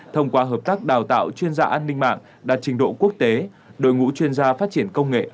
thông qua hợp tác đào tạo chuyên gia an ninh mạng đạt trình độ quốc tế đội ngũ chuyên gia phát triển công nghệ